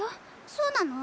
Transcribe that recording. そうなの？